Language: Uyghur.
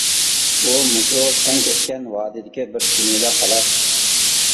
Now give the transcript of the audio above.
ئۇ مۇشۇ كەڭ كەتكەن ۋادىدىكى بىر چۈمۈلە خالاس.